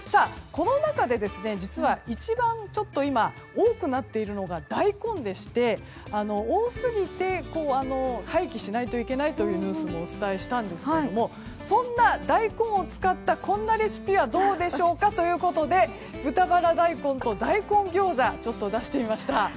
この中で、実は一番今、多くなっているのが大根でして、多すぎて廃棄しないといけないというニュースもお伝えしたんですけどそんな大根を使ったこんなレシピはどうでしょうかということで豚バラ大根と大根ギョーザを出してみました。